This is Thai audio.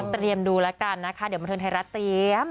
เตรียมดูแล้วกันนะคะเดี๋ยวบันเทิงไทยรัฐเตรียม